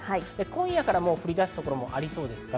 今夜から降り出す所もありそうです。